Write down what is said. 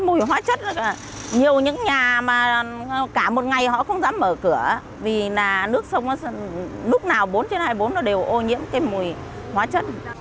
mùi hóa chất nhiều những nhà mà cả một ngày họ không dám mở cửa vì là nước sông lúc nào bốn trên hai mươi bốn nó đều ô nhiễm cái mùi hóa chất